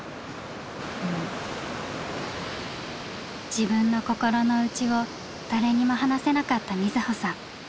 自分の心のうちを誰にも話せなかった瑞穂さん。